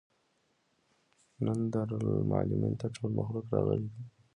نن دارالمعلمین ته ټول مخلوق راغلى دی.